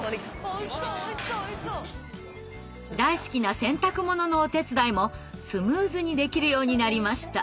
大好きな洗濯物のお手伝いもスムーズにできるようになりました。